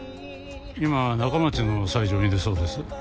今は仲町の斎場にいるそうです。